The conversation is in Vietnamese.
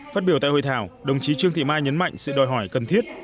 phát biểu tại hội thảo đồng chí trương thị mai nhấn mạnh sự đòi hỏi cần thiết